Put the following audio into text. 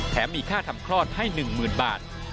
มีค่าทำคลอดให้๑๐๐๐บาท